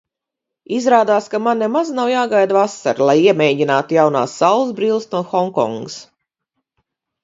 Izrādās, ka man nemaz nav jāgaida vasara, lai iemēģinātu jaunās saulesbrilles no Honkongas.